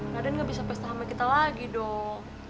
raden nggak bisa pesta sama kita lagi dok